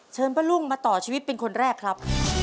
ป้ารุ่งมาต่อชีวิตเป็นคนแรกครับ